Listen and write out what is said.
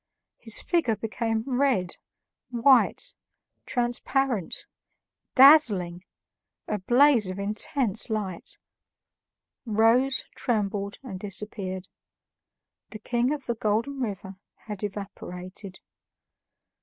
His figure became red, white, transparent, dazzling, a blaze of intense light, rose, trembled, and disappeared. The King of the Golden River had evaporated.